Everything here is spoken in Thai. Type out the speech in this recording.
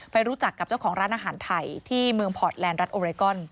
ไปรู้จักกับเจ้าของร้านอาหารไทยที่เมืองพอร์ตแลนด์รัฐโอเรกอน